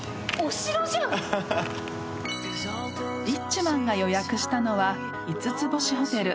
［リッチマンが予約したのは五つ星ホテル］